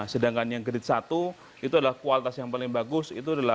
sedangkan yang karet satu itu adalah kualitas yang paling bagus